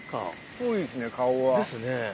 ぽいですね顔は。ですね。